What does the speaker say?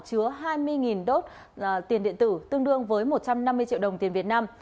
chứa hai mươi đốt tiền điện tử tương đương với một trăm năm mươi triệu đồng tiền việt nam